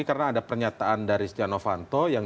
ada pernyataan dari setia novanto yang